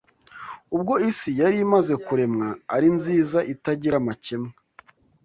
Ubwo isi yari imaze kuremwa, ari nziza itagira amakemwa